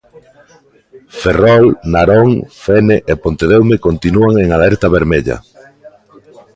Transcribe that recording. Ferrol, Narón, Fene e Pontedeume continúan en alerta vermella.